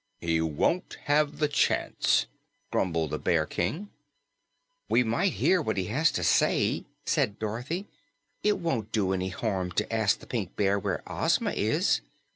"He won't have the chance," grumbled the Bear King. "We might hear what he has to say," said Dorothy. "It won't do any harm to ask the Pink Bear where Ozma is."